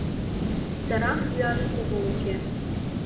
Сырам йӱаш кумыл уке.